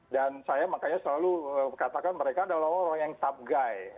dan saya makanya selalu katakan mereka adalah orang orang yang top guy